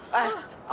kamu berdua kanan